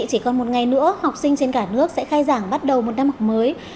chỉ còn một ngày nữa học sinh trên cả nước sẽ khai giảng bắt đầu một năm học mới